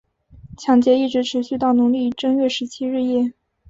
抢劫一直持续到农历正月十七日夜。